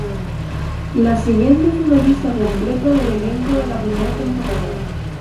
La siguiente es una lista completa del elenco de la primera temporada.